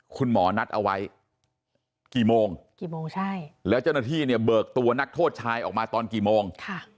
คุณหมอนัดเอาไว้กี่โมงกี่โมงใช่แล้วเจ้าหน้าที่เนี่ยเบิกตัวนักโทษชายออกมาตอนกี่โมง